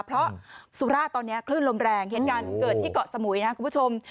เพราะสุราชตอนนี้คลื่นลมแรงเหตุการณ์เกิดที่เกาะสมุยนะครับคุณผู้ชม